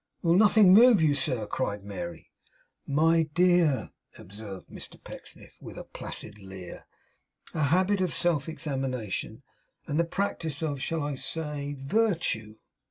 'Will nothing move you, sir?' cried Mary. 'My dear,' observed Mr Pecksniff, with a placid leer, 'a habit of self examination, and the practice of shall I say of virtue?